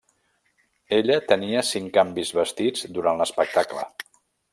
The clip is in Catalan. Ella tenia cinc canvis vestits durant l'espectacle.